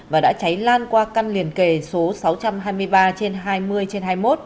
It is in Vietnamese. và đã cháy lan qua căn liền kề số sáu trăm hai mươi ba trên hai mươi trên hai mươi một